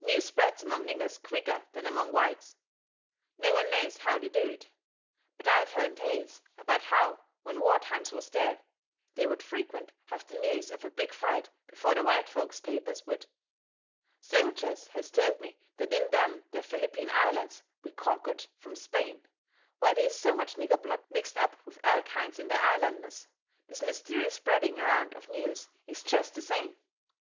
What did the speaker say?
News spreads among niggers quicker than among whites. No one knows how they do it. But I've hearn tales about how when war times was there, they would frequent have the news of a big fight before the white folks' papers would. Soldiers has told me that in them there Philippine Islands we conquered from Spain, where they is so much nigger blood mixed up with other kinds in the islanders, this mysterious spreading around of news is jest the same.